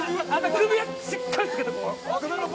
首はしっかりつけて。